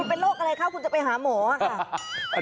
คุณเป็นโรคอะไรข้าวคุณจะไปหาหมออะ